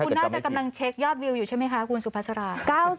คุณน่าจะกำลังเช็คยอดวิวอยู่ใช่ไหมคะคุณสุภาษา